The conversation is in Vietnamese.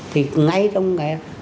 thì ngay trong cái